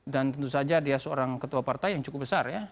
dan tentu saja dia seorang ketua partai yang cukup besar ya